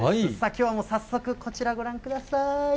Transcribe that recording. きょうも早速、こちらご覧ください。